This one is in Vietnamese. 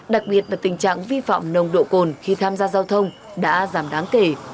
đặc biệt là tình trạng vi phạm nồng độ cồn khi tham gia giao thông đã giảm đáng kể